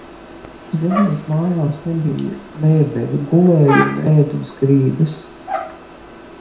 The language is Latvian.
Zemnieku mājās nebija mēbeļu, gulēja un ēda uz grīdas.